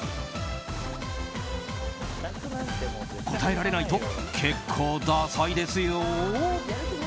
答えられないと結構ダサいですよ。